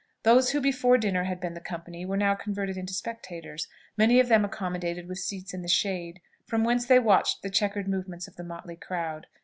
Those who before dinner had been the company were now converted into spectators; many of them accommodated with seats in the shade, from whence they watched the chequered movements of the motley crowd.